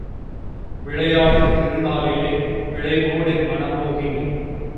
விளையாடும் திரு நாளிலே விழைவோ டென் மனமோகினி.